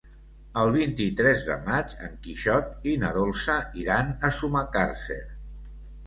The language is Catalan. El vint-i-tres de maig en Quixot i na Dolça iran a Sumacàrcer.